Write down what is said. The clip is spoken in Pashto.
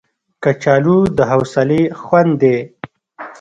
کچالو د حوصلې خوند دی